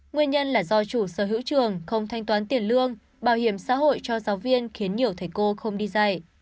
nguyên nhân là do chủ sở hữu trường không thanh toán tiền lương bảo hiểm xã hội cho giáo viên khiến nhiều thầy cô không đi dạy